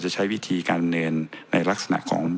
ในวิธีการเนินในลักษณะของ